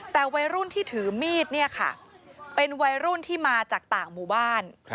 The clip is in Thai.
แต่วัยรุ่นที่ถือมีดเนี่ยค่ะเป็นวัยรุ่นที่มาจากต่างหมู่บ้าน